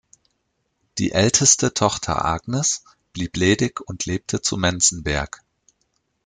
Die älteste Tochter Agnes blieb ledig und lebte zu Menzenberg.